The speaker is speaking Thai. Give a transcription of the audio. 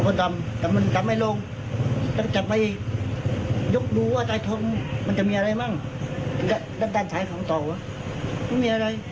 เพราะว่าไม่เคยเจอที่ต่อมันจะดำไม่ลงเหมือนมันไม่เคยเจอ